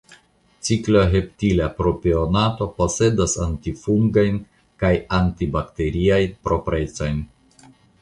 Cikloheptila propionato posedas antifungajn kaj antibakteriajn proprecojn.